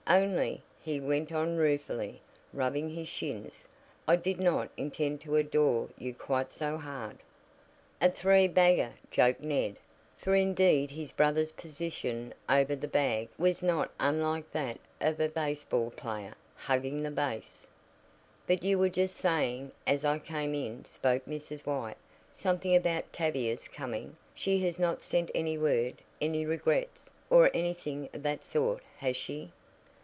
"Only," he went on ruefully, rubbing his shins, "I did not intend to adore you quite so hard." "A three bagger," joked Ned, for indeed his brother's position over the "bag" was not unlike that of a baseball player "hugging the base." "But you were just saying, as I came in," spoke Mrs. White, "something about Tavia's coming. She has not sent any word any regrets, or anything of that sort, has she?"